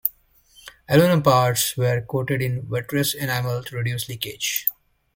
Aluminium parts were coated in vitreous enamel to reduce leakage.